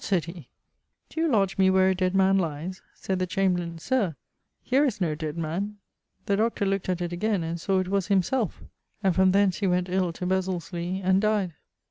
sayd he, 'do you lodge me where a dead man lies?' Sayd the chamberlain, 'Sir, here is no dead man.' The Dr. look't at it again, and saw it was him selfe. And from thence he went (ill) to Besil's leigh and died.